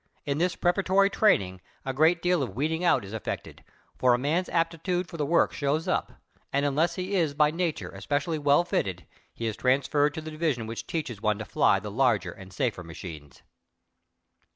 In this preparatory training a great deal of weeding out is effected, for a man's aptitude for the work shows up, and unless he is by nature especially well fitted he is transferred to the division which teaches one to fly the larger and safer machines.